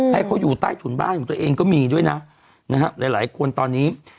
ให้เขาอยู่ใต้ถุนบ้านตัวเองก็มีด้วยนะหลายคนตอนนี้